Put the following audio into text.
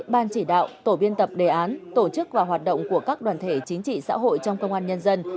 ban chỉ đạo tổ biên tập đề án tổ chức và hoạt động của các đoàn thể chính trị xã hội trong công an nhân dân